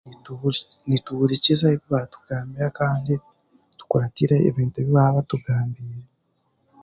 Nituhurikiza ebibaatugambira kandi tukuratira ebintu ebi baabatugambiire